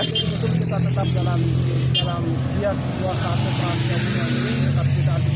kita tetap dalam siap dua saat perang yang diberi